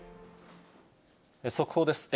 速報です。